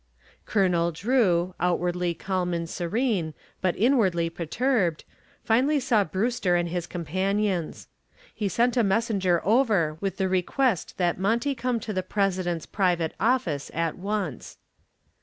Colonel Drew, outwardly calm and serene, but inwardly perturbed, finally saw Brewster and his companions. He sent a messenger over with the request that Monty come to the president's private office at once.